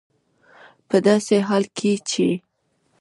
په داسې حال کې چې